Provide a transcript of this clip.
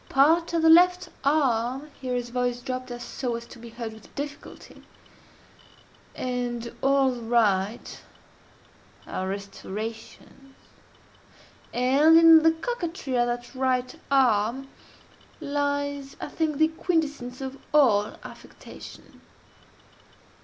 Part of the left arm (here his voice dropped so as to be heard with difficulty,) and all the right, are restorations; and in the coquetry of that right arm lies, I think, the quintessence of all affectation.